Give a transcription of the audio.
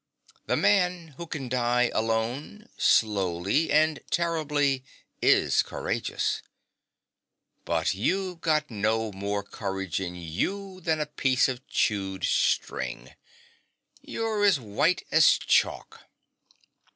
The man who can die alone, slowly and terribly, is courageous. But you've got no more courage in you than a piece of chewed string. You're as white as chalk.'